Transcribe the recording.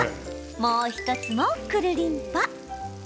もう１つも、くるりんぱ。